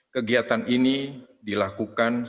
kegiatan ini diperoleh